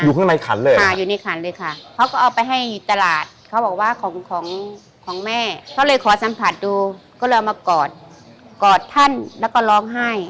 ข้างในขันเลยค่ะอยู่ในขันเลยค่ะเขาก็เอาไปให้ตลาดเขาบอกว่าของของแม่เขาเลยขอสัมผัสดูก็เลยเอามากอดกอดท่านแล้วก็ร้องไห้